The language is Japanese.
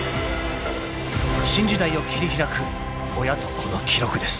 ［新時代を切り開く親と子の記録です］